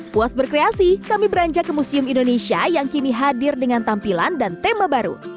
puas berkreasi kami beranjak ke museum indonesia yang kini hadir dengan tampilan dan tema baru